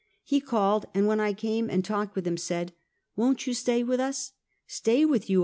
He called, and when I came and talked with them, said: " Won 't you stay with us? "" Stay with you?"